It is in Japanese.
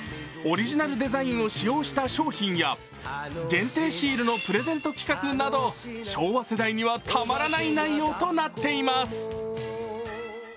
オリジナルデザインを使用した商品や限定シールのプレゼント企画など昭和世代にはたまらない内容となっています。